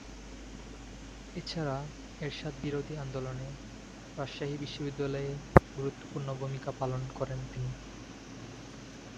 এছাড়া এরশাদ বিরোধী আন্দোলনে রাজশাহী বিশ্ববিদ্যালয়ে গুরুত্বপূর্ণ ভূমিকা পালন করেন তিনি।